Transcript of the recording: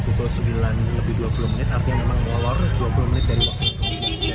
pukul sembilan lebih dua puluh menit artinya memang molor dua puluh menit dari waktu